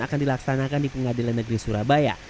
akan dilaksanakan di pengadilan negeri surabaya